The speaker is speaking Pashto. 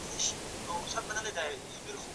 موږ کولای سو خپله ژبه بډایه کړو.